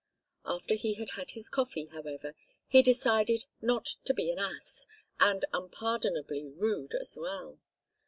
After he had had his coffee, however, he decided not to be an ass, and unpardonably rude as well.